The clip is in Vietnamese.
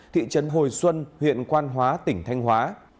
thị trấn hồi xuân huyện quan hóa tỉnh thanh hóa